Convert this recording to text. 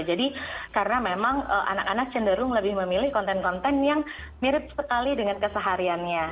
jadi karena memang anak anak cenderung lebih memilih konten konten yang mirip sekali dengan kesehariannya